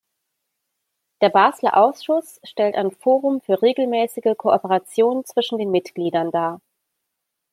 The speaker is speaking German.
Der Basler Ausschuss stellt ein Forum für regelmäßige Kooperation zwischen den Mitgliedern dar.